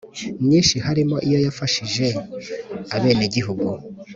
myinshi harimo iyo yafashije abenegihugu